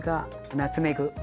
ナツメグ。